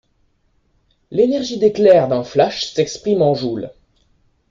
L'énergie d'éclair d'un flash s'exprime en joules.